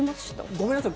ごめんなさい